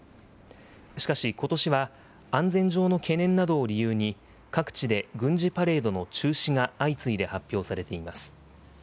しかし、ことしは安全上の懸念などを理由に、各地で軍事パレードの中止が相次いで発表されています。